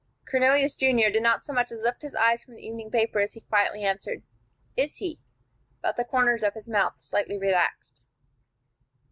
Cornelius, Junior, did not so much as lift his eyes from the evening paper, as he quietly answered, "Is he?" But the corners of his mouth slightly relaxed.